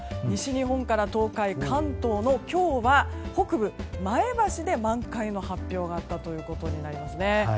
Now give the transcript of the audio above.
西日本から東海関東の今日は、北部前橋で満開の発表があったということになりますね。